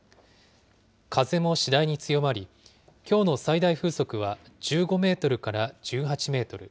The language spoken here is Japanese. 風も次第に強まり、きょうの最大風速は１５メートルから１８メートル。